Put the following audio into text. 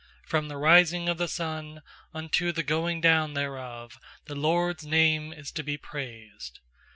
3From the rising of the sun unto the going down thereof The LORD'S name is to be praised.